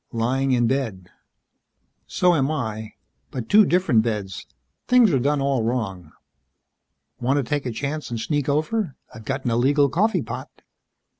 "Lying in bed." "So am I. But two different beds. Things are done all wrong." "Want to take a chance and sneak over? I've got an illegal coffee pot."